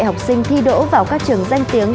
học sinh thi đổ vào các trường danh tiếng